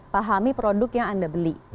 pahami produk yang anda beli